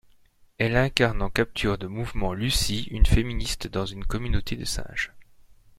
Elle incarne en capture de mouvement Lucy une féministe dans une communauté de singes.